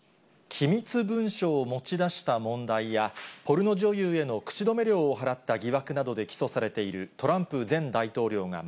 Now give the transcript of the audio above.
機密文書を持ち出した問題や、ポルノ女優への口止め料を払った疑惑などで起訴されているトラン